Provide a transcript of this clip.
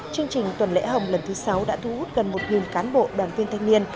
chương trình tuần lễ hồng lần thứ sáu đã thu hút gần một cán bộ đoàn viên thanh niên